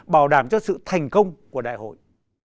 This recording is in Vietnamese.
bảo đảm cho sự thành công của đại hội